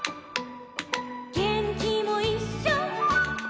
「げんきもいっしょ」